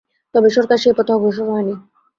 তবে সরকার সেই পথে অগ্রসর হয়নি।